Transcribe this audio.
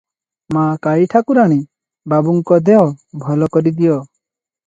ମା’ କାଳୀ ଠାକୁରାଣୀ! ବାବୁଙ୍କ ଦେହ ଭଲ କରିଦିଅ ।